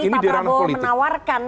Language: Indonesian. pertama kali pak prabowo menawarkan